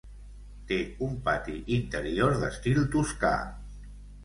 Té un pati interior d'estil toscà.